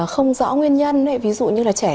không rõ nguyên nhân ví dụ như là trẻ